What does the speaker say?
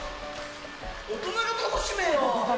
大人が楽しめよ！